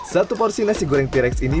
satu porsi nasi goreng t rex ini